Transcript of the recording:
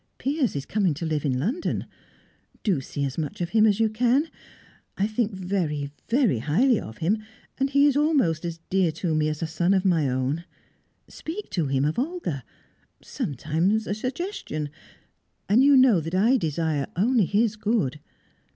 Piers is coming to live in London. Do see as much of him as you can. I think very, very highly of him, and he is almost as dear to me as a son of my own. Speak to him of Olga. Sometimes a suggestion and you know that I desire only his good."